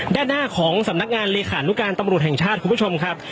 ด้านหน้าของสำนักงานเลขานุการตำรวจแห่งชาติคุณผู้ชมครับ